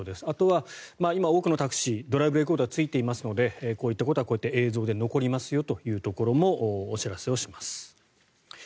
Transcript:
あとは今、多くのタクシードライブレコーダーがついていますのでこういったことは映像で残りますよということもお知らせをします。